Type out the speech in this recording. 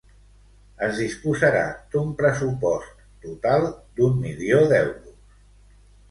Es disposarà d'un pressupost total d'un milió d'euros.